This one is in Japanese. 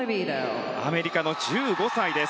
アメリカの１５歳です。